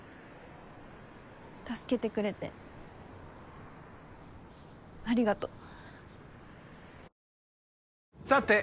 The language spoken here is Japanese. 助けてくれてありがとう。